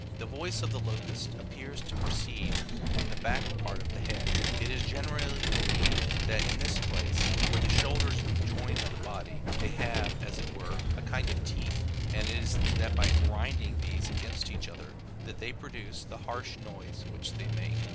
The voice of the locust appears to proceed from the back part of the head. It is generally believed that in this place, where the shoulders join on to the body, they have, as it were, a kind of teeth, and that it is by grinding these against each other that they pro duce the harsh noise which they make.